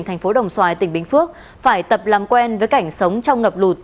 thành phố đồng xoài tỉnh bình phước phải tập làm quen với cảnh sống trong ngập lụt